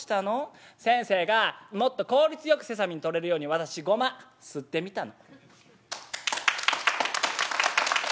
「先生がもっと効率よくセサミンとれるように私ゴマすってみたの」。